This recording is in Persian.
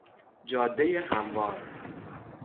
جادهی هموار